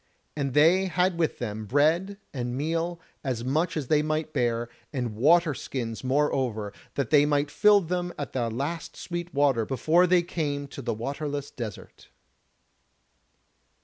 And they had with them bread and meal, as much as they might bear, and water skins moreover, that they might fill them at the last sweet water before they came to the waterless desert.